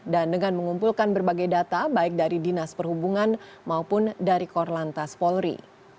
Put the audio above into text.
dan dengan mengumpulkan berbagai data baik dari dinas perhubungan maupun dari korlantas polri